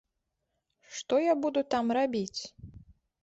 Што я буду там рабіць?